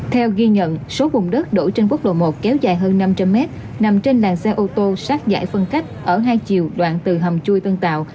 theo ghi nhận số vùng đất đổ trên quốc lộ một kéo dài hơn năm trăm linh mét nằm trên làng xe ô tô sát giải phân cách ở hai chiều đoạn từ hầm chui tân tạo